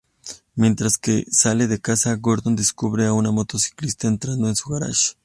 Mientras que sale de casa, Gordon descubre a un motociclista entrando en su garaje.